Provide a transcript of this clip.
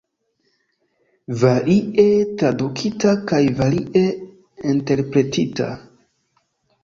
Varie tradukita kaj varie interpretita.